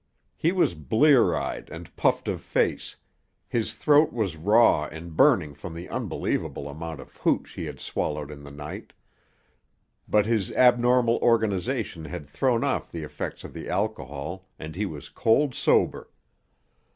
He was blear eyed and puffed of face, his throat was raw and burning from the unbelievable amount of hooch he had swallowed in the night, but his abnormal organisation had thrown off the effects of the alcohol and he was cold sober.